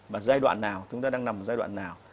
và giai đoạn nào chúng ta đang nằm một giai đoạn nào